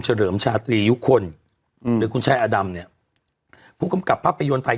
เฉลิมชาติยุคคลหรือคุณชายอดำเนี่ยผู้กำกับภาพประโยนไทย